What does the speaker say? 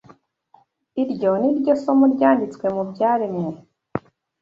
iryo ni ryo somo ryanditswe mu byaremwe